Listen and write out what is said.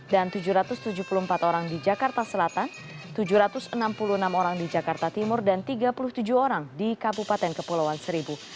dan tujuh ratus tujuh puluh empat orang di jakarta selatan tujuh ratus enam puluh enam orang di jakarta timur dan tiga puluh tujuh orang di kabupaten kepulauan seribu